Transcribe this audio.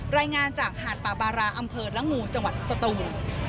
รายงานจากหาดป่าบาราอำเภอละงูจังหวัดสตูน